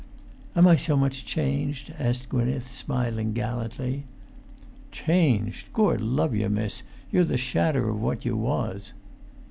"Am I so much changed?" asked Gwynneth, smiling gallantly. "Changed! Gord love yer, miss, you're the shadder of what you was."